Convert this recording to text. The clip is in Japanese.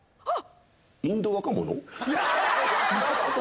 あっ！